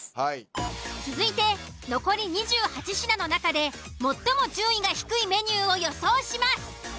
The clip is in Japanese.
続いて残り２８品の中で最も順位が低いメニューを予想します。